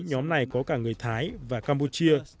nhóm này có cả người thái và campuchia